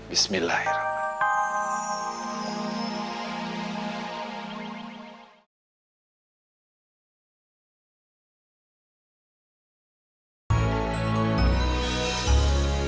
bismillah ya rabbalah